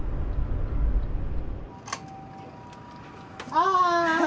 ああ。